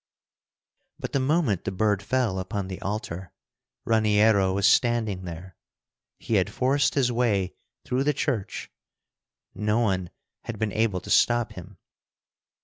But the moment the bird fell upon the Altar, Raniero was standing there. He had forced his way through the church, no one had been able to stop him.